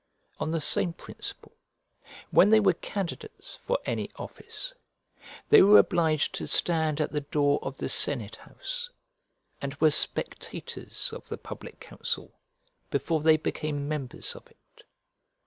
On the same principle, when they were candidates for any office, they were obliged to stand at the door of the senate house, and were spectators of the public council before they became members of it.